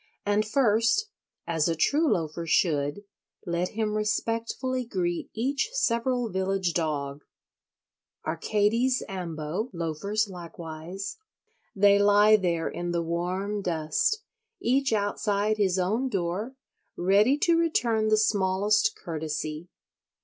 And first, as a true Loafer should, let him respectfully greet each several village dog. Arcades ambo—loafers likewise—they lie there in the warm dust, each outside his own door, ready to return the smallest courtesy.